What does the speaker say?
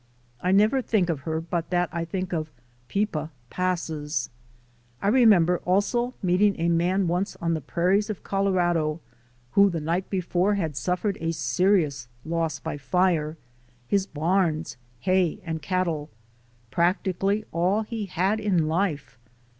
I never think of her but that I think of "Pippa Passes." I remember also meeting a man once on the prairies of Colorado, who the night before had suffered a serious loss by fire, his barns, hay and cattle, practically all he had in life.